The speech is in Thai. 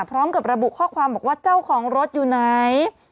พร้อมกับระบุข้อความบอกว่าเจ้าของรถอยู่ไหน